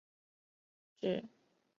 指的是在身体组织中蓄积的脓。